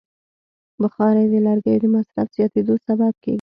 بخاري د لرګیو د مصرف زیاتیدو سبب کېږي.